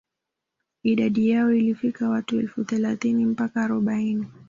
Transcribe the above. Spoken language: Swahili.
Idadi yao ilifikia watu elfu thelathini mpaka arobaini